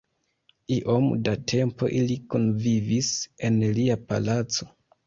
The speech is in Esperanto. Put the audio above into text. Iom da tempo ili kunvivis en lia palaco.